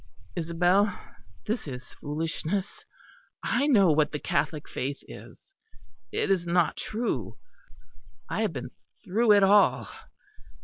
"Isabel, this is foolishness. I know what the Catholic faith is. It is not true; I have been through it all."